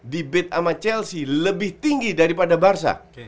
di beat ama chelsea lebih tinggi daripada barca